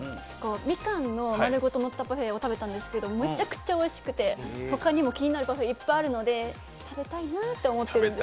みかんのまるごとのったパフェを食べたんですけど、めちゃくちゃおいしくて、他にも気になるパフェ、いっぱいあるので食べたいなと思って。